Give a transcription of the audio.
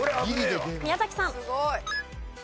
宮崎さん。